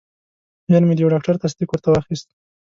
ژر مې د یو ډاکټر تصدیق ورته واخیست.